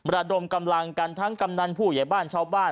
ระดมกำลังกันทั้งกำนันผู้ใหญ่บ้านชาวบ้าน